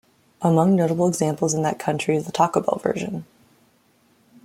Among notable examples in that country is the Taco Bell version.